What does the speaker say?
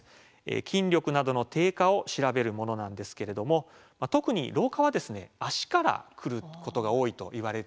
筋力などの低下を調べるものなんですけれども特に老化は足から来ることが多いといわれているんですよね。